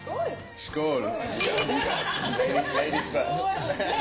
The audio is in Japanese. スコール！